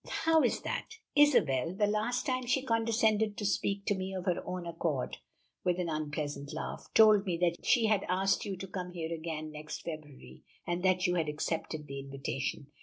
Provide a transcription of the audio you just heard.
"How is that? Isabel, the last time she condescended to speak to me of her own accord," with an unpleasant laugh, "told me that she had asked you to come here again next February, and that you had accepted the invitation.